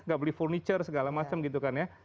nggak beli furniture segala macam gitu kan ya